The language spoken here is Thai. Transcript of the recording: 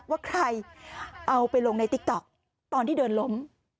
ว่าใครเอาไปลงในติ๊กต๊อกตอนที่เดินล้ม